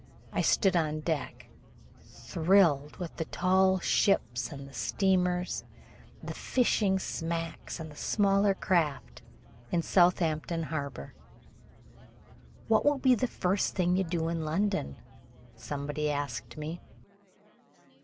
I stood on deck, thrilled with the tall ships and the steamers, the fishing smacks and the smaller craft in Southampton harbor. "What will be the first thing you do in London?" somebody asked me.